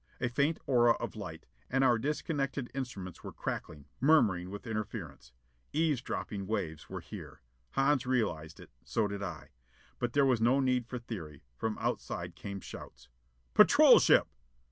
A faint aura of light. And our disconnected instruments were crackling, murmuring with interference. Eavesdropping waves were here! Hans realised it: so did I. But there was no need for theory. From outside came shouts. "Patrol ship!"